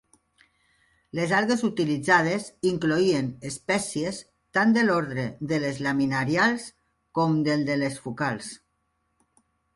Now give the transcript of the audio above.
Les algues utilitzades incloïen espècies tant de l'ordre de les laminarials com del de les fucals.